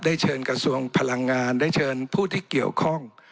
เชิญกระทรวงพลังงานได้เชิญผู้ที่เกี่ยวข้อง